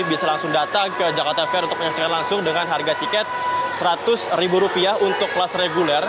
bisa langsung datang ke jakarta fair untuk menyaksikan langsung dengan harga tiket rp seratus untuk kelas reguler